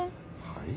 はい？